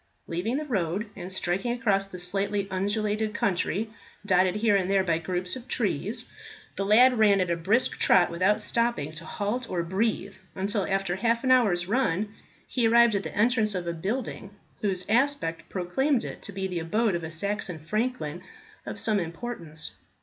Leaving the road, and striking across the slightly undulated country dotted here and there by groups of trees, the lad ran at a brisk trot, without stopping to halt or breathe, until after half an hour's run he arrived at the entrance of a building, whose aspect proclaimed it to be the abode of a Saxon franklin of some importance.